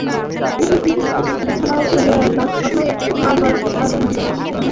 বিছানায় শুইয়া একটা কথাই বার বার তাহার মনে আসিতে লাগিল।